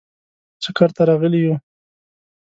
چکر ته راغلي یو.